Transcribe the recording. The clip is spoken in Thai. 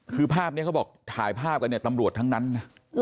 คือภาพนี้เขาบอกถ่ายภาพกันเนี่ยตำรวจทั้งนั้นนะ